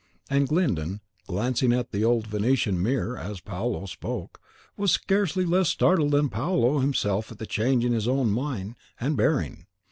And Glyndon, glancing at the old Venetian mirror as Paolo spoke, was scarcely less startled than Paolo himself at the change in his own mien and bearing.